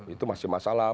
itu masih masalah